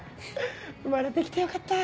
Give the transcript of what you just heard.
生まれて来てよかった。